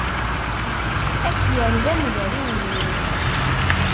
Ad k-yerr d amder i umdun.